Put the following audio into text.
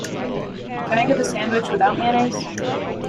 Can I get the sandwich without mayonnaise?